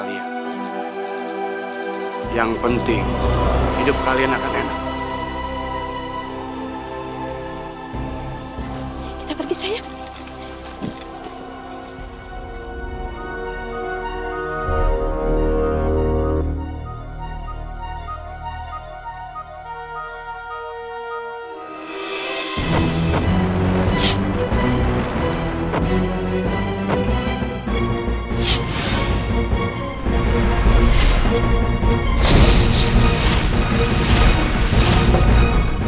jawab dinda naungula